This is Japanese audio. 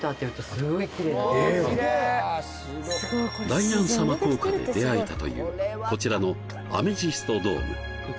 大ニャン様効果で出会えたというこちらのアメジストドーム